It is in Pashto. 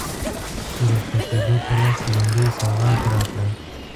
د رخصتېدو پر وخت لونګۍ سوغات راکړه.